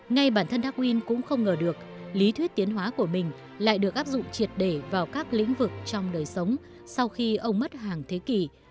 ngay bản thân darkin cũng không ngờ được lý thuyết tiến hóa của mình lại được áp dụng triệt để vào các lĩnh vực trong đời sống sau khi ông mất hàng thế kỷ